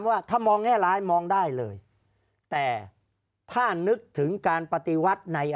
ว่าถ้ามองแง่ร้ายมองได้เลยแต่ถ้านึกถึงการปฏิวัติใน